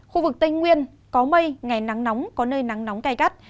khu vực tây nguyên có mây ngày nắng nóng có nơi nắng nóng cay cắt